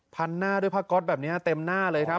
หน้าด้วยผ้าก๊อตแบบนี้เต็มหน้าเลยครับ